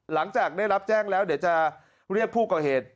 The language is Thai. หลังจากได้รับแจ้งแล้วเดี๋ยวจะเรียกผู้ก่อเหตุ